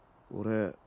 おれ